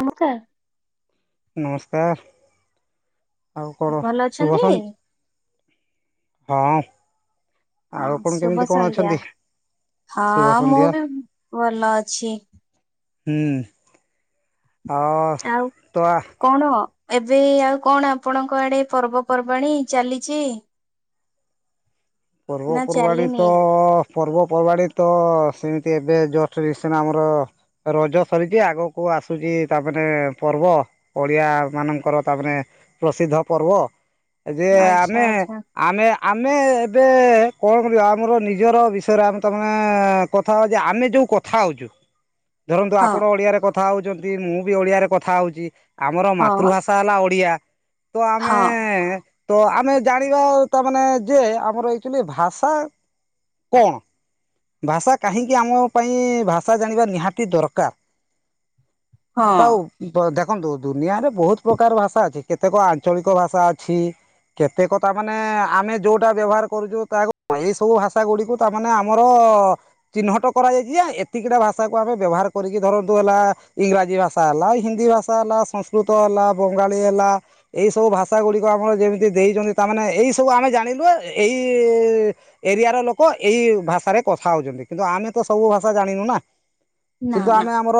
ଆମକା। ନମସ୍କାର ଆଉ କଣ ଭଲ ଅଛନ୍ତି? ସୁଭସ ହଁ, ହଁ ଆଉ କଣ କେମିତି ଶୁଭ କଣ ସଂନ୍ଧ୍ୟା। ଅଛନ୍ତି? ହଁ ଶୁଭ ମୁଁ ସନ୍ଧ୍ୟା ବି ଵଲ ଅଛି। ହୁଁ, ଆଉ ତ କଣ, ଏବେ ଆଉ କଣ ଆପଣଙ୍କ ଆଡେ ପର୍ବପର୍ବାଣୀ ଚାଲିଛି? ନା ପର୍ବପର୍ବାଣୀ ଚାଲିନି? ତ ଅ ପର୍ବପର୍ବାଣି ତ ସେମିତି ଏବେ ଜଷ୍ଟ ରିସେଣ୍ଟ ଆମର ରଜ ସରିଛି ଆଗକୁ ଆସୁଛି ତା ମାନେ ପର୍ବ ଓଡିଆ ମାନଙ୍କର ତାମାନେ ପ୍ରସିଦ୍ଧ ପର୍ବ ଯେ ଆଚ୍ଛା ଆମେ ଆଚ୍ଛା ଆମେ ଆମେ ଏବେ ଏ କଣ କରିବା ଆମର ନିଜର ବିଷୟରେ ଆମେ ତମେ କଥା ହବା ଆମେ ଯୋଉ କଥା ହଉଛୁ ଧରନ୍ତୁ ହଁ ଆପଣ ଓଡିଆରେ କଥା ହଉଛନ୍ତି ମୁଁ ବି ଓଡିଆରେ କଥା ହଉଛି ଆମର ହଁ ମାତୃଭାଷା ହେଲା ଓଡ଼ିଆ। ତ ଆମେ ହଁ ତ ଆମେ ଜାଣିବା ତା ମାନେ ଯେ ଆମର ଏଇଚୁଲି ଭାଷା କଣ ଭାଷା କାହିଁକି ଆମ ପାଇଁ ଭାଷା ଜାଣିବା ନିହାତି ଦରକାର। ହଁ ତାଉ [unintelligible] ଦେଖନ୍ତୁ ଦୁନିଆରେ ବହୁତ ପ୍ରକାର ଭାଷା ଅଛି କେତେକ ଆଞ୍ଚଳିକ ଭାଷା ଅଛି କେତେ କଥା ମାନେ ଆମେ ଯୋଉଟା ବ୍ୟବହାର କରୁଛୁ ତାରୁ ଏଇ ସବୁ ଭାଷା ଗୁଡକୁ ତାମାନେ ଆମର ଚିହ୍ନଟ କରାଯାଇଛି ଏତିକିଟା ଭାଷ ଭାଷାକୁ ଆମେ ବ୍ୟବହାର କରିକି ଧରନ୍ତୁ ହେଲା ଇଂରାଜୀ ଭାଷା ହେଲା ହିନ୍ଦୀ ଭାଷା ହେଲା ସଂସ୍କୃତ ହେଲା ବଙ୍ଗାଳୀ ହେଲା ଏଇ ସବୁ ଭାଷା ଗୁଡିକ ଆମର ଯେମିତି ଦେଇଛନ୍ତି ତାମାନେେ ଏଇ ସବୁ ଆମେ ଜାଣିଲୁ ଯେ ଏଇ ଏରିଆ ର ଲୋକ ଏଇ ଭାଷାରେ କଥା ହଉଛନ୍ତି କିନ୍ତୁ ଆମେ ତ ସବୁ ଭାଷା ଜାଣିନୁ ନା ନା କିନ୍ତୁ ନା ଆମେ ଆମର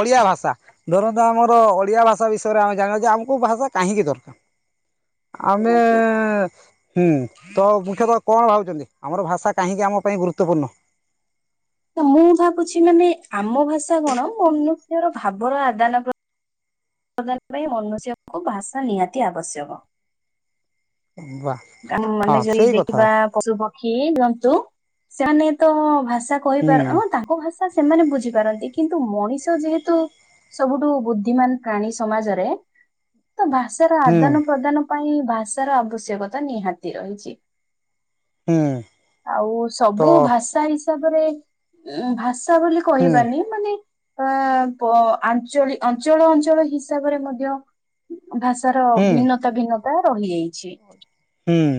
ଓଡିଆ ଭାଷା ଧରନ୍ତୁ ଆମର ଓଡିଆ ଭାଷା ବିଷୟରେ ଆମେ ଜାଣିବା ଯେ ଆମକୁ ଭାଷା କାହିଁକି ଦରକାର? ଆମେ ନିହାତି। ହୁଁ ତ ମୁଖ୍ୟତଃ କଣ ଭାବୁଛନ୍ତି ଆମର ଭାଷା କାହିଁକି ଆମ ପାଇଁ ଗୁରୁତ୍ୱପୂର୍ଣ୍ଣ। ମୁଁ ଭାବୁଛି ମାନେ ଆମ ଭାଷା କଣ ମନୁଷ୍ୟର ଭାବର ଆଦାନ ପ୍ରଦା ପ୍ରଦାନ ପାଇଁ ମନୁଷ୍ୟଙ୍କୁ ଭାଷା ନିହାତି ଆବଶ୍ୟକ। ବା ମାନେ ହଁ ଯଦି ସେଇ କଥା ଦେଖିବା ପଶୁ ପକ୍ଷୀ ନିଅନ୍ତୁ ସେମାନେ ତ ଭାଷା ହୁଁ କହିପାର ହଁ ତାଙ୍କ ଭାଷା ସେମାନେ ବୁଝିପାରନ୍ତି କିନ୍ତୁ ମଣିଷ ଯେହେତୁ ସବୁଠୁ ବୁଦ୍ଧିମାନ ପ୍ରାଣୀ ସମାଜରେ। ତ ଭାଷାର ହୁଁ ଆଦାନ ପ୍ରଦାନ ପାଇଁ ଭାଷାର ଆବଶ୍ୟକତା ନିହାତି ରହିଛି। ହୁଁ ଆଉ ତ ସବୁ ଭାଷା ହିସାବରେ ଉ ଭାଷା ବୋଲି ହୁଁ କହିବାନି ମାନେ ଅ ଆଞ୍ଚଳି ଅଞ୍ଚଳ ଅଞ୍ଚଳ ହିସାବରେ ମଧ୍ୟ ଭାଷାର ହୁଁ ଭିନ୍ନତା ଭିନ୍ନତା ରହି ଯାଇଛି। ହୁଁ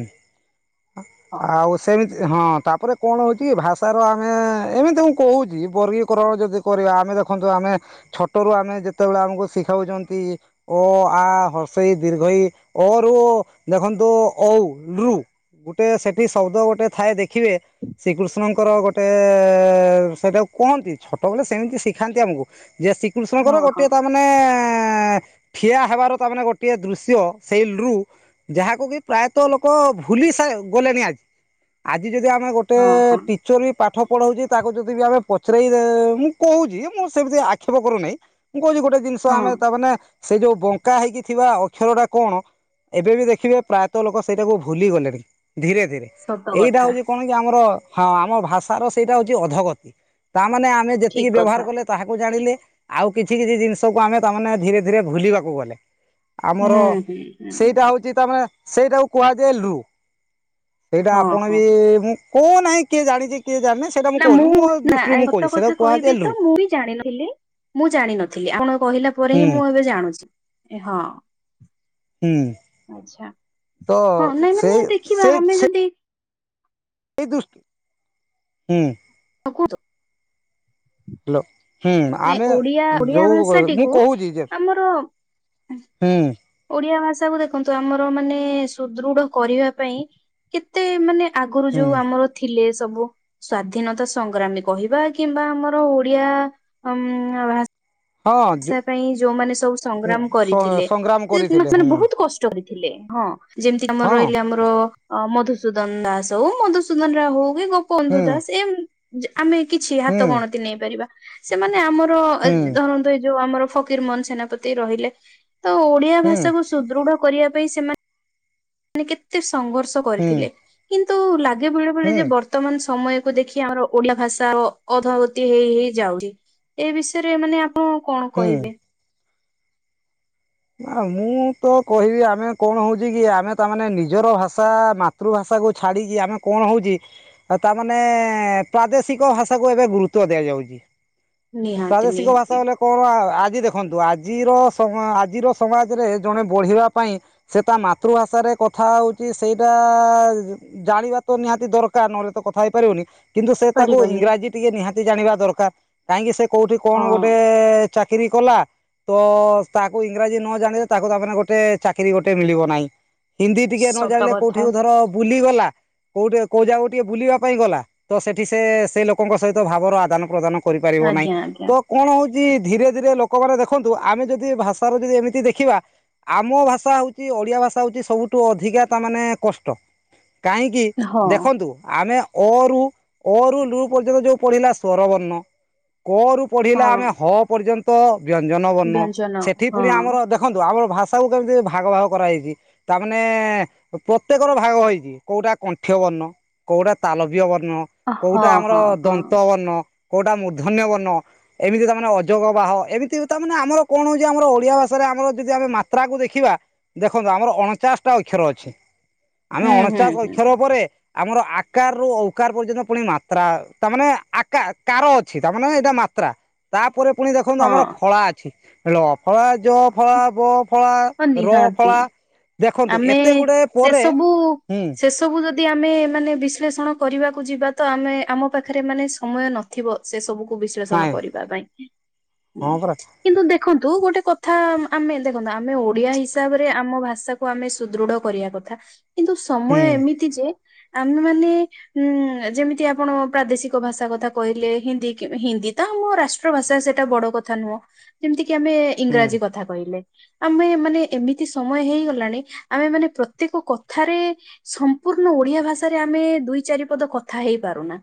ଆଉ ସେମି ହଁ ତାପରେ କଣ ହଉଛି କି ଭାଷାର ଆମେ ଏମିତି ମୁଁ କହୁଛି ବର୍ଗୀକରଣ ଯଦି କରିବା ଆମେ ଦେଖନ୍ତୁ ଆମେ ଛୋଟରୁ ଆମେ ଯେତେବେଳେ ଆମକୁ ଶିଖାଉଛନ୍ତି ଓ ଆ ହରସେଇ ଦ୍ରିଘେଇ ଦୀର୍ଘଈ ଅ ରୁ ଦେଖନ୍ତୁ ଅଉ ବୃ ଗୋଟେ ସେଠି ଶବ୍ଦ ଗୋଟେ ଥାଏ ଦେଖିବେ ଶ୍ରୀକୃଷ୍ଣ ଙ୍କ ର ଗୋଟେ ସେଟାକୁ କୁହନ୍ତି ଛୋଟ ବଳେ ସେମିତି ଶିଖାନ୍ତି ଆମକୁ ଯେ ହଁ ଶ୍ରୀକୃଷ୍ଣଙ୍କର ଗୋଟେ ହଁ ତା ମାନେ ଠିଆ ହେବାର ତା ମାନ ଗୋଟିଏ ଦୃଶ୍ୟ ସେଇ ରୁ ରୁ ଯାହାକୁ କି ପ୍ରାୟତଃ ଲୋକ ଭୁଲି ସା ଗଲେଣିି ଆଜି ଆଜ ଆଜି ଯଦି ଆମେ ଗୋଟେ ହଁ ହଁ ଟିଚର ବି ପାଠ ପଢଉଚି ତାକୁ ଯଦି ବି ଆମେ ପଚା ସେଇ ମୁଁ କହୁଛି ମୁଁ ସେମିତି ଆକ୍ଷେପ କରୁନାହିଁ। କଣ କହୁଛି ଗୋଟେ ଜିନିଷ ହଁ। ଆମେ ତାମାନେେ ସେ ଯୋଉ ବଙ୍କା ହେଇକି ଥିବା ଅକ୍ଷର ଗୁଡା କଣ ଏବେ ବି ଦେଖିବେ ପ୍ରାୟତଃ ଲୋକ ସେଇଟାକୁ ଭୁଲି ଗଲେଣି। ଧୀରେ ଧୀରେ ସତ ଏଇଟା କଣ କଥା ହଉଚି କି ଆମର ହଁ ଆମ ଭାଷ ର ସେଇଟା ହଉଛି ଅଧ ତାମାନେ ଆମେ ଯେତିକି ଠିକ ବ୍ୟବହାର କଥା। କଲେ ତାହାକୁ ଜାଣିଲେ। ଆଉ କିଛି କିଛି ଜିନିଷକୁ ଆମେ ତାମାନେ ଧୀରେ ଧୀରେ ଭୁଲିବାକୁ ଗଲେ। ଆମର ହୁଁ ହୁଁ ହୁଁ ସେଇଟା ହଉଛି ତା ମାନେ ସେଇଟାକୁ କୁହାଯାଏ ଲୁ ସେଇଟା ହଁ ଆପଣ ହଁ। ବି ମୁଁ କୁହ ନାହିଁ କିଏ ଜାଣିଛି କିଏ ଜାଣିନି ସେଇଟା ନା କହୁନି ମୁଁ ମୋ ଦୃଷ୍ଟିରୁ ମୁଁ ସତ କହୁଛି ସେଇଟା କଥା କୁହାଯାଏ କହିବି ତ ଏଲରୁ ମୁଁ ବିି ଜାଣିନଥିଲି ମୁଁ ଜାଣିନଥିଲି ଆପଣ କହିଲା ପରେ ହିଁ ହୁଁ ମୁଁ ଏବେ ଜାଣୁଛି ହଁ। ହୁଁ ଆଛା ତ ହଁ ନାଇଁ ସେଇ ନାଇଁ ଦେଖିବା ସେଇ ଆମେ ଯଦି ସେଇ ଦୁଶ ହୁଁ। ଆ କୁହ ହ୍ୟାଲୋ। ହୁଁ ନାଇଁ ଆମେ ଓଡିଆ ଓଡିଆ ଯୋଉ ମୁଁ ଭାଷାଟିକୁ କହୁଛି ଯେ ଆମର ହୁଁ ଓଡିଆ ଭାଷାକୁୁ ଦେଖନ୍ତୁ ଆମର ମାନେ ସୁଦୃଢ କରିବା ପାଇଁ କେତେ ମାନେ ଆଗରୁ ଯୋଉ ଆମର ଥିଲେ ସବୁ ସ୍ଵାଧୀନତା ସଂଗ୍ରାମୀ କହିବା କିମ୍ବା ଆମର ଓଡିଆ ଉ ଭା ହୁଁ ଭାଷା ପାଇଁ ଯୋଉମାନେ ସବୁ ସଂଗ୍ରାମ ହଁ କରିଥିଲେ ସଂଗ୍ରାମ କରିଥିଲେ ସେମାନେ ହୁଁ ବହୁତ କଷ୍ଟ ରେଥିଲେ ହଁ। ଯେମତି ଆମର ହଁ ରହିଲେ, ଆମର ମଧୁ ସୂଦନ ଦାସ ହଉ ମଧୁସୂଦନ ରାଓ ହଉ କି ଗୋପବନ୍ଧୁ ହୁଁ ଦାସ ଏମ୍ ଯେ ଆମେ କିଛି ହୁଁ ହାତ ଗଣତି ନେଇପାରିବା ସେମାନେ ଆମର ହୁଁ ଧର ଯୋଉ ଆମର ଫକୀର ମୋହନ ସେନାପତି ରହିଲେ ତ ଓଡିଆ ହୁଁ ଭାଷାକୁ ସୁଦୃଢ କରିବା ସେମାନେ କେତେ ସଂଘର୍ଷ ହୁଁ କରିଥିଲେ କିନ୍ତୁ ଲ ବେଳେବେେଳେ ହୁଁ ଯେ ବର୍ତ୍ତମାନ ସମୟ ଦେଖି ଆମର ଓଡିଆ ଭାଷା ଅଧଗତି ହେଇ ହେଇ ଯାଉଛି ଏ ବିଷୟରେ ମାନେ କଣ ହୁଁ କହିବେ? ମୁଁ ତ କହିବି ଆମେ କଣ ହଉଛି କି -ଆମେ ତା ମାନେ ନିଜର ଭାଷା ମାତୃଭାଷା କୁ ଛାଡିକି ଆମେ କଣ ହଉଛି ତାମାନେ ପ୍ରାଦେଶିକ ଭାଷା କୁ ଏବେ ଗୁରୁତ୍ୱ ଦିଆଯାଉ ନିହାତି ପ୍ରାଦେଶିକ ଭାଷା ନିହାତି ବ କଣ ଆଜି ଦେଖନ୍ତୁ ଆଜିର ସମୟ ଆଜିର ସମାଜରେ ଜଣେ ବଢ଼ିବା ପାଇଁ ସେ ତା ମାତୃଭାଷାରେ କଥା ହେଉଛି ସେଇଟା ଜାଣିବା ତ ନିହାତି ଦରକାର, ନହେଲେ ତ କଥା ହେଇପାରିବନି । କିନ୍ତୁ ସେ ତାକୁ ପାରିବନି ଇଂରାଜୀ ଟିକେ ନିହାତି ଜାଣିବା ଦରକାର, କାହିଁକି ସେ କୋଉଠି କଣ ହଁ ଗୋଟେ ଚାକିରି କଲା ତ, ତା ତା ଇଂରାଜୀ ନ ଜାଣିଲେ ତାକୁାତାମାନେ ଗୋଟେ ଚାକିରି ଗୋଟେ ମିଳିବ ନାହିଁ। ହିନ୍ଦୀ ଟିକେ ନ ସତ ଜାଣିଲେ କୋଉଠି କଥା ଧର ବୁଲିଗଲା କୋଉଠି କୋଉ ଜାଗକୁ ଟିକେ ବୁଲିବା ପାଇଁ ଗଲା ତ ସେଠି ସେ ସେ ଲୋକଙ୍କ ସହିତ ଭାବର ଆଦାନ ପ୍ରଦାନ କରିପାରିବ ନାହିଁ ଆଜ୍ଞା ଆଜ୍ଞା ତ କଣ ହଉଛି ଧୀରେ ଧୀରେ ଲୋକମାନେ ଦେଖନ୍ତୁ ଆମେ ଯଦି ଭାଷା ଯଦି ଏମିତି ଦେଖିବା। ଆମ ଭାଷା ହଉଛି ଓଡିଆ ଭାଷା ହଉଛି ସବୁଠୁ ଅଧିକା ତା ମାନେ କଷ୍ଟ। କାହିଁକି ହଁ ଦେଖନ୍ତୁ ଆମେ? ଅରୁ ଅରୁ ଲୁ ପର୍ଯ୍ୟନ୍ତ ଯୋଉ ପଢିଲା ସଵରବର୍ଣ୍ଣ। କ ରୁ ପଢିଲା ହଁ ଆମେ ହ ପର୍ଯ୍ୟନ୍ତ ବ୍ୟଞ୍ଜନ ବର୍ଣ୍ଣ ବ୍ୟଞ୍ଜନ ସେଠି ହଁ ପୁଣି ଆମର ଦେଖନ୍ତୁ ଆ ଭାଷାକୁ କେମିତି ଭାଗ ଭାଗ କରାହେଇଛି। ତାମାନେ ପ୍ରତ୍ୟେକର ଭାଗ ହେଇଛି କୋଉଟା କଣ୍ଠି ମୁ୍ୟ ବର୍ଣ୍ଣ କୋଉଟା ତାଲବୀୟ ବର୍ଣ୍ଣ ହଁ କୋଉଟା ଆମର ହଁ ହଁ ଦନ୍ତ ବର୍ଣ୍ଣ। କୋଉଟା ମୂଧନ୍ୟ ବର୍ଣ୍ଣ ଏମିତି ତାମାନେେ ଅଜଗ ବାହ ଏମିତି ତା ମାନେ ଆମର କଣ? ଯ ଆମର ଓଡିଆ ଭାଷାରେ ଆମର ଯଦି ଆମେ ମାତ୍ରାକୁ ଦେଖିବା ଦେଖନ୍ତୁ ଆମର ଅଣଚାଶ ଟା ଅକ୍ଷର ଅଛି। ଆମେ ହୁଁ ହୁଁ ଅଣଚାଶ ହୁଁ ଅକ୍ଷର ଉପରେ ଆମର ଆକାରରୁୁ ଅଉକାର ପର୍ଯ୍ୟନ୍ତ ପୁଣି ମାତ୍ରା ତାମାନେ ଆକା କାର ଅଛି ତାମାନେ ଏଇଟା ମାତ୍ରା। ତାପରେ ପୁଣି ଦେଖନ୍ତୁ ହଁ ଆମର ଫଳା ଅଛି ଫଳାଯ ଫଲା। ଫଳା ହଁ ର ନିହାତି ଫଳା ଦେଖନ୍ତୁ ଆମେ ଏତେ ଗୁଡା ସେ ପରେ ସବୁ ହୁଁ। ସେ ସବୁ ଯଦି ଆମେ ମାନେ ବିଶ୍ଳେଷଣ କରିବାକୁ ଯିବା ତ ଆମେ ଆମ ପାଖରେ ମାନେ ସମୟ ନଥିବ ସେ ସବୁ ବିଶ୍ଳେଷଣ ନାଇଁ କରିବା ପାଇଁ ହଁ ପରା କିନ୍ତୁ ଦେଖ ଦେଖନ୍ତୁ ଗୋଟେ କଥା ଆମେ ଦେଖନ୍ତା। ଆମେ ଓଡିଆ ହିସାବରେ ଆମ ଭାଷାକୁ ଆମେ ସୁଦୃଢ କରିବା କଥା। କିନ୍ତୁ ସମୟ ହୁଁ ଏମିତି ଯେ ଆମେ ମାନ ଉଁ ଯେମିତି ଆପଣ ପ୍ରାଦେଶିକ ଭାଷା କଥା କହିଲେ ହିନ୍ଦୀ ହିନ୍ଦୀ ତ ଆମ ରାଷ୍ଟ୍ର ଭାଷା ସେଇଟା ବଡ କଥା ନୁହଁ ଯେମିତିକି ଆମେ ହୁଁ ଇଂରାଜୀ କଥା କହିଲେ। ଆମେ ମାନେ ଏମିତି ସମୟ ହେଇଗଲାଣି ଆମେ ମାନେ ପ୍ରତ୍ୟେକ କଥାରେ ସମ୍ପୂର୍ଣ୍ଣ ଓଡିଆ ଭାଷାରେ ଆମେ ଦୁଇ ଚାରି ପଦ କଥା ହେଇ ପାରୁନା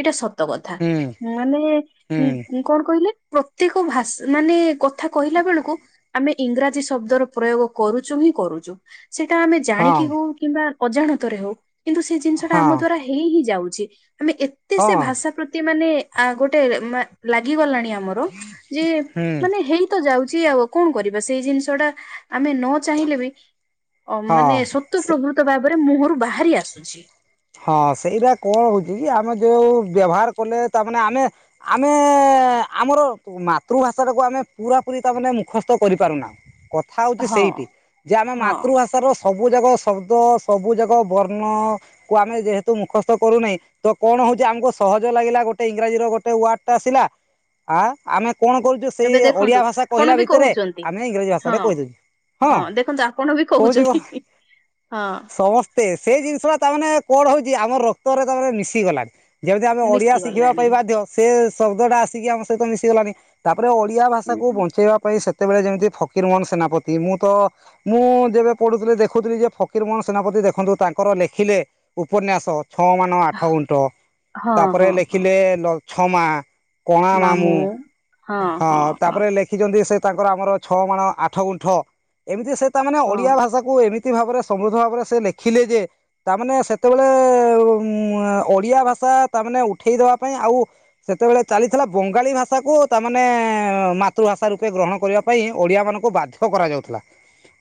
ଏଇଟା ସତ। କଥା ହୁଁ ମାନେ ହୁଁ କଣ କହିଲେ ପ୍ରତ୍ୟେକ ଭାଷା ମାନେ? କଥା କହିଲା ବେଳକୁ ଆମେ ଇଂରାଜି ଶଦ୍ଦ ର ପ୍ରୟୋଗ କରୁଚୁ ହିଁ କରୁଛୁ। ସେଇଟା ଆମେ ହଁ ଜାଣିକି ହଉ କିମ୍ବା ଅଜାଣତରେ ହଉ କିନ୍ତୁ ସେ ଜିନ୍ସ ଟା ହଁ ଆମ ଦ୍ୱାରା ହେଇହିଁ ଯାଉଛି। ଆମେ ଏତେ ସେ ହଁ ଭାଷା ପ୍ରତି ମାନେ ଗୋଟେ ଲାଗିଗଲାଣି ଆମର ଯେ ହୁଁ ମାନେ ହେଇତ ଯାଉଛି ଆଉ କଣ କରିବା ସେଇ ଜିନିଷ ଟା ଆମେ ନ ଚାହିଁଲେ ବି ମାନେ ସତ ହଁ ପ୍ରଭୃତ ଭାବରେ ମୁହଁରୁ ବାହାରି ଆସୁଛି। ହଁ ସେଇଟା କଣ ହଉଛି କି ଆମେ ଯଉ ବ୍ୟବହାର କଲେ ତାମାନ ଆମେ ଆମେ ଆମର ମାତୃଭାଷା ଟାକୁ ଆମେ ପୁରା ପୁରୀ ମୁଖସ୍ତ କରିପାରୁନାଁ ।କଥା ହଉଛି ହଁ ସେଇଠି ଯେ ଆମ ହଁ ମାତୃଭାଷାର ସବୁ ଯାକ ଶବ୍ଦ ସବୁ ଯାକ ବର୍ଣ୍ଣ କୁ ଆମେ ଯେହେତୁ ମୁଖସ୍ତ କରୁନାହିଁ ତ କଣ ହଉଛି ଆମକୁ ସହଜ ଲାଗିଲା ଗୋଟେ ଇଂରାଜୀ ର ଗୋଟେ ୱାର୍ଡଟା ଆସିଲା ଆ ଆମେ କଣ କରୁଛୁ ସେଇ ଏବେ ଦେଖନ୍ତୁ ଓଡିଆ ଭାଷା ଆପଣ କହିଲା ବି ଭିତରେ କହୁଛନ୍ତି ଆମେ ଇଂରାଜୀ ଭାଷା ହଁ ଟା କହିଦେଉଛୁ। ହଁ ଦେଖନ୍ତୁ ଆପଣ ବି କହୁଛନ୍ତି। ହଁ ସମସ୍ତେ ସେଇ ଜିନିଷା ତମାନେ କଣ ହଉଛି ଆମର ରକ୍ତରେ ତମାନେ ମିଶି ଗଲାଣି। ଯେମିତି ଆମେ ଓଡିଆ ମିଶି ଶିଖିବା ଗଲାଣି। ପାଇଁ ବାଧ୍ୟ ସେ ଶବ୍ଦ ଟା ଆସିକି ଆମ ସହିତ ମିଶି ଗଲାଣି ତା ଉପରେ ଓଡ଼ିଆ ଭାଷାକୁ ବଞ୍ଚାଇବା ପାଇଁ ସେ ସେତେବେଳେ ଯେମିତି ଫକୀରମୋହନ ସେନାପତି ମୁଁ ତ ମୁଁ ଯେବେ ପଢୁଥିଲି ଦେଖୁଥିଲି, ଯେ ଫକୀରମୋହନ ସେନାପତି ଦେଖନ୍ତୁ ତାଙ୍କର ଲେଖିଲେ ଉପନ୍ୟାସ ଛଅ ମାନ ଆଠ ଗୁଣ୍ଟ ହଁ ତାପରେ ହଁ ହଁ ଲେଖିଲେ ଲଛମା କଣା ମାମୁଁ ହଁ ତାପରେ ଲେଖିଛନ୍ତି ସେ ତାଙ୍କର ଆମର ଛଅ ମଣ ଆଠ ଗୁଣ୍ଠ ଏମିତି ସେ ତାମାନେ ହଁ ଓଡିଆ ଭାଷାକୁ ଏମିତି ଅତି ଭାବରେ ସମୃଦ୍ଧ ଭାବରେ ସେ ଲେଖିଲେ ଯେ ତାମାନେ ସେତେବେଳେ ମୁଁ ଓଡିଆ ଭାଷା ତାମାନେ ଉଠେଇଦବା ପାଇଁ। ଆଉ ସେତେବେଳେ ଚାଲିଥିଲା ବଙ୍ଗାଳୀ ଭାଷାକୁ ତାମାନେ ମାତୃଭାଷା ରୂପେ ଗ୍ରହଣ କରିବା ପାଇଁ ଓଡିଆ ମାନଙ୍କୁ ବାଧ୍ୟ କରାଯାଉଥିଲା।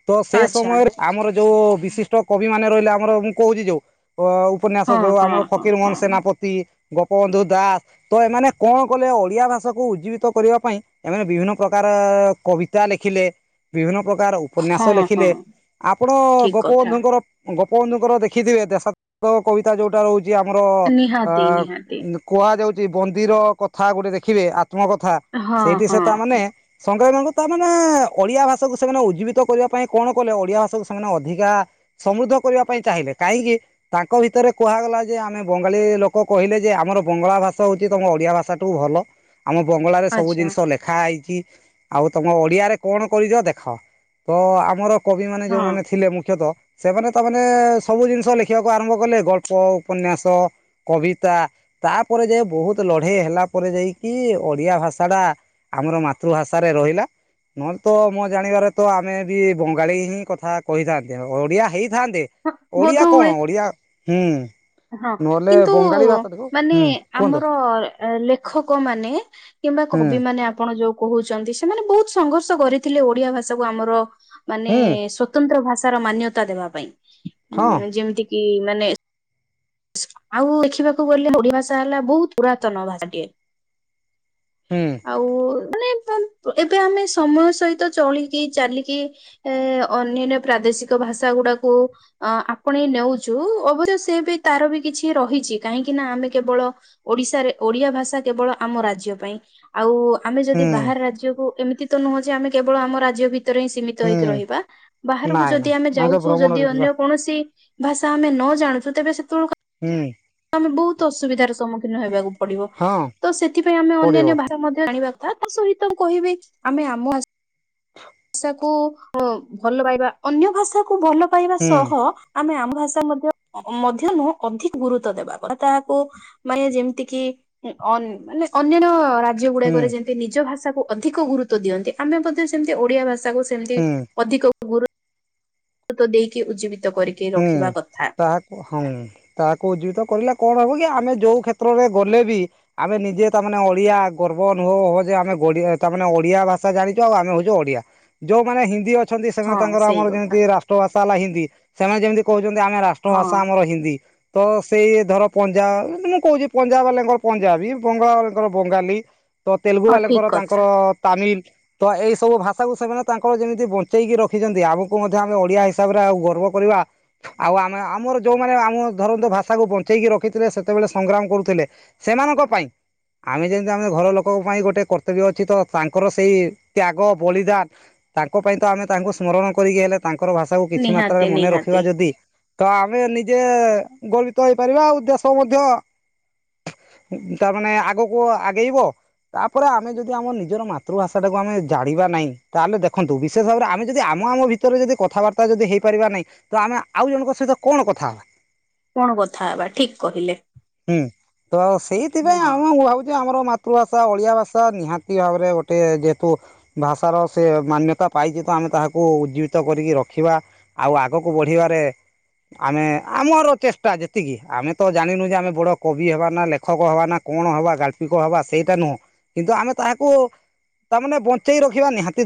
ତେଣୁ ସେ ଆଚ୍ଛା ସମୟରେ ଆମର ଯୋଉ ବିଶିଷ୍ଟ କବି ମାନେ ରହିଲେ। ଆମର ମୁଁ କହୁଛି ଯୋଉ ଅ ଉପନ୍ୟାସ ହଁ ଯୋଉ ହଁ ଆମର ହଁ ଫକୀର ମୋହନ ହଁ ସେନାପତି ଗୋପବନ୍ଧୁ ଦାସ ତ ଏମାନେ କଣ କଲେ ଓଡିଆ ଭାଷାକୁ ଉଜ୍ଜୀବିତ କରିବା ପାଇଁ ଏମାନେ ବିଭିନ୍ନ ପ୍ରକାର କବିତା ଲେଖିଲେ ବିଭିନ୍ନ ପ୍ର ପ୍ରକାର ଉପନ୍ୟାସ ହଁ ହଁ ଲେଖିଲେ ଆପଣ ଠିକ କଥା ଗୋପବନ୍ଧୁଙ୍କର ଗୋପବନ୍ଧୁଙ୍କର ଦେଖିଥିବେ ଦେଶ କବିତା ଯୋଉଟା ରହୁଛି ଆମର ଅ ନିହାତି ନିହାତି କୁହାଯାଉଛି ବନ୍ଦିର କଥା ଗୋଟେ ଦେଖିବେ ଆତ୍ମ କଥା ହଁ ସେଇଠି ସେ ହଁ ତାମାନେ ସଂଗ୍ରାମଙ୍କୁ ତାମାନେ ଓଡିଆ ଭାଷାକୁ ସେମାନେ ଉଜ୍ଜୀବିତ କରିବା ପାଇଁ, କଣ କଲେ ଓଡିଆ ଭାଷାକୁ ସେମାନେ ଅଧିକା ସମୃଦ୍ଧ କରିବା ପାଇଁ ଚାହିଁଲେ କାହିଁକି ତାଙ୍କ ଭିତରେ କୁହା ଗଲା ଯେ ଆମେ ବଙ୍ଗାଳୀ ଲୋକ କହିଲେ ଯେ ଆମର ବଙ୍ଗଳା ଭାଷ ହଉଛି ତମ ଓଡିଆ ଭାଷା ଟୁ ଭଲ। ଭଲ ଆମ ବଙ୍ଗଳାରେ ସବୁ ଆଚ୍ଛା ଜିନିଷ ଲେଖା ହେଇଛି ଆଉ ତମ ଓଡିଆରେ କଣ କରିଚ ଦେଖ ତ ଆମର କବି ମାନେ ହଁ ଯୋଉମାନେ ଥିଲେ ମୁଖ୍ୟତଃ ସେମାନେ ତାମାନେ ସବୁ ଜିନିଷ ଲେଖ ଖିବାକୁ ଆରମ୍ଭ କଲେ ଗଳ୍ପ ଉପନ୍ୟାସ କବିତା ତାପରେ ଯ ବହୁତ ଲଢେଇ ହେଲା ତାପରେ ଯାଇକି ଓଡିଆ ଭାଷା ଟା ଆମର ମାତୃଭାଷାରେ ରହିଲା। ନହେଲେ ତ ମୋ ଜାଣିବାରେ ତ ଆମେ ବି ବଙ୍ଗାଳୀ ହିଁ କଥା କହିଥାନ୍ତେ। ଓଡିଆ ହେଇ ଥାନ୍ତେ ଓଡିଆ ବୋଧ ହୁଏ କଣ ଓଡିଆ ହୁଁ। ହଁ ନହେଲେ କିନ୍ତୁ ବଙ୍ଗାଳୀ ଭାଷା ଦେଖ ମାନେ ହୁଁ କୁହନ୍ତୁ। ଆମର ଲେଖକ ମାନେ କିମ୍ବା ହୁଁ କବି ମାନେ ଆପଣ ଯୋଉ କହୁଛନ୍ତି ସେମାନେ ବହୁତ ସଂଘର୍ଷ କରିଥିଲେ ।ଓଡିଆ ଭାଷା କୁ ଆମର ମାନେ ହୁଁ ସ୍ଵତନ୍ତ୍ର ଭାଷାର ମାନ୍ୟତା ଦେବା ପାଇଁ ହଁ ଯେମିତିକ କି ମାନେ ଆଉ ଦେଖିବାକୁ ଗଲେ ଓଡ଼ିଆ ଭାଷା ହେଲା ବହୁତ ପୁରାତନ ଭାଷାଟିଏ। ହୁଁ ଆଉ ମାନେ ପ ପ୍ର ଏବେ ଆମେ ସମୟ ସହିତ ଚଳିକି ଚାଲିକି ଏ-ଏ-ଏ ଅନ୍ୟନ୍ୟ ପ୍ରାଦା ଦେଶିକ ଭାଷା ଗୁଡାକୁ ଆ ଆପଣେଇ ନେଉଛୁ୍ ଓବରେ ସେ ବି ତାର ବି କିଛି ରହିଛି କାହିଁକି ନା ଆମେ କେବଳ ଓଡିଶାରେ ଓଡ଼ିଆ ଭାଷା କେବଳ ଆମ ରାଜ୍ୟ ପାଇଁ। ଆଉ ଆମେ ଯଦି ହୁଁ ବାହାର ରାଜ୍ୟକୁ ଏମିତି ତ ନୁହଁ ଯେ ଆମେ କେବଳ ଆମ ରାଜ୍ୟ ଭିତ ଭିତରେ ହିଁ ସୀମିତ ହେଇକି ହୁଁ ରହିବା ବାହାରକୁ ନାଇଁ ଯଦି ନାଇଁ ଆମେ ତ ଯାଉଛୁ ଯଦି ଭ୍ରମଣରେ ଯିବା ଅନ୍ୟ କୌଣସି ଭାଷା ଆମେ ନ ଜାଣୁଛୁ ତେବେ ସେ ହୁଁ। ଆମେ ବହୁତ ଅସୁବିଧାର ସମ୍ମୁଖୀନ ହେବାକୁ ପଡିବ ହଁ ତ ସେଥିପାଇଁ ଆମେ ପଡ଼ିବ ଅନ୍ୟାନ୍ୟ ଭାଷା ମଧ୍ୟ ଜାଣିବା ତା ସହିତ କହିବି ଆମେ ଆମ ଭାଷ ଭାଷାକୁ ଅ ଭଲ ପାଇବା ଅନ୍ୟ ଭାଷାକୁ ଭଲ ପାଇବା ହୁଁ ସହ ଆମେ ଆମ ଭାଷା ମଧ୍ୟ ଅ ମଧ୍ୟ ନୁହଁ ଅଧିକ ଗୁରୁତ୍ୱ ଦେବା ଗୋଟେ ତାହାକୁ ମାନେ ଯେମିତି କିି ଅନ୍ ମାନେ ଅନ୍ୟାନ୍ୟ ରା ହୁଁ ରାଜ୍ୟଗୁଡ଼ାକରେ ଯେମିତି ନିଜ ଭାଷାକୁ ଅଧିକ ଗୁରୁତ୍ୱ ଦିଅନ୍ତି ଆମେ ବୋଧେ ସେମିତି ଓଡ଼ିଆ ଭାଷା ତାକୁ ସେମତି ହୁଁ। ଅଧିକ ଗୁରୁ ଗୁରୁତ୍ଵ ଦେଇକି ଉଜ୍ଜୀବିତ କରିକି ହୁଁ ରଖିବା କଥା। ତାହାକୁ ହାଉଁ ତାହାକୁ ଉଜୀବିତ କଲେ କଣ ହବ କି ଆମେ ଯୋଉ କ୍ଷେତ୍ରରେ ଗଲେ ବି ଆମେ ନିଜେ ତା ମାନେ ଓଡ଼ିଆ ଗର୍ବ ଅନୁଭବ ଆମେ ଗଢ଼ିବା ତାମାନେ ଓଡିଆ ଭାଷାା ଜାଣିଛୁ ଆଉ ଆମେ ହଉଛୁ ଓଡିଆ। ଯୋଉମାନେ ହିନ୍ଦୀ ଅ ଅଛନ୍ତି ସେମାନେ ହଁ ତାଙ୍କର ସେଇ ଆମର କଥା ଯେମିତି ରାଷ୍ଟ୍ର ଭାଷା ହେଲା ହିନ୍ଦି ସେମାନେ ଯେମିତି କହୁ ଛନ୍ତି ଆମ ରାଷ୍ଟ୍ର ହଁ ଭାଷା ଆମର ହିନ୍ଦୀ। ତ ସେଇ ଧର ପଞ୍ଜାବ ମୁଁ କହୁଛି ପଞ୍ଜାବ ବାଲାଙ୍କର ପଞ୍ଜାବୀ, ବଙ୍ଗଳାଙ୍କର ବଙ୍ଗାଲୀ ତ ତେଲୁଗୁ ହଁ ଠିକ ବାଲେଙ୍କର କଥା। ତାଙ୍କର-ଅ-ଅ ତାମିଲ। ତ ଏଇ ସବୁ ଭାଷାକୁ ସେମାନେ ତାଙ୍କର ଯେମିତି ବଞ୍ଚେଇକି ରଖିଛନ୍ତି ଆଗକୁ ମଧ୍ୟ ଆମେ ଓଡିଆ ହିସାବରେ ଆଉ ଗର୍ବ କରିବା ଆଉ ଆମେ ଆମର ଯୋଉମାନେ ଆମ ଧରନ୍ତ ଭାଷାକୁୁ ବଞ୍ଚେଇକି ରଖିଥିଲେ ସେତେବେଳେ ସଂଗ୍ରାମ କରୁଥିଲେ ଏ ସେମାନଙ୍କ ପାଇଁ ଆମେ ଯେମିତି ଆମ ଘର ଲୋକଙ୍କ ପାଇଁ ଗୋଟେ କର୍ତ୍ତବ୍ୟ ଅଛି ତ ତାଙ୍କର ସେଇ ତ୍ୟାଗ, ବଳିଦାନ ତାଙ୍କ ପାଇଁ ତ ଆମେ ତାଙ୍କୁ ସ୍ମରଣ କରିକି ହେଲେ ତାଙ୍କର ଭାଷାକୁ କିଛି ମାତ୍ରାରେ ନିହାତି ମନେ ନିହାତି ରଖିବା ଯଦି ତ ଆମେ ନିଜେ-ଏ-ଏ -ଏ ଆ ଗର୍ବିତ ହେଇପାରିବା ଆଉ ଦେଶ ମଧ୍ୟ ତା ମାନେ ଆଗକୁ ଆଗେଇବ ତାପରେ ଆମେ ଯଦି ଆମ ନିଜର ମାତୃଭାଷା ଟାକୁ ଆମେ ଜାଣିବା ନାହିଁ ତାହେଲେ ଦେଖନ୍ତୁ ବିଶେଷ ଭାବରେ ଆମେ ଯଦି ଆ ମ ଆମ ଭିତରେ ଯଦି କଥାବାର୍ତ୍ତା ଯଦି ହେଇପାରିବା ନାହିଁ ତ ଆମେ ଆଉ ଜଣଙ୍କ ସହିତ କଣ କଥା ହବା। କଣ କଥା ହେବା ଠିକ କହିଲେ। ହୁଁ ତ ସେଇଥିପାଇଁ ହଁ ଆମ ମୁଁ ଭାବୁଛି ଆମର ମା ମାତୃଭାଷା ଓଡିଆ ଭାଷା ନିହାତି ଭାବରେ ଗୋଟେ ଯେହେତୁ ଭାଷାର ସେ ମାନ୍ୟତା ପାଇ ଯେତୁ ଆମେ ତାହାକୁ ଉଜ୍ଜୀବିତ କରିକି ରଖିବା ଆଉ ଆଗକୁ ବଢିବାରେ ଆମେ ଆମର ଚେଷ୍ଟା ଯେତିକି ଆମେ ତ ଜାଣିନୁ ଯେ ଆମେ ବଡ କବି ହବାନା ଲେଖକ ହବାନା କଣ ହବା ଗାଳ୍ପିକ ହବା ସେଇଟା ନୁହଁ କିନ୍ତୁ ଆମେ ତାହାକୁ ତାମାନେ ବଞ୍ଚେଇ ରଖିବା ନିିହାତୀ